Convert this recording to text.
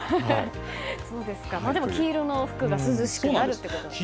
でも、黄色の服が涼しくなるということですね。